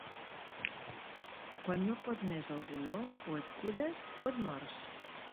Quan no pot més el dolor, o et cures o et mors.